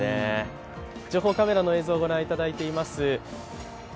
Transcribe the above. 情報カメラの映像ご覧いただいてます。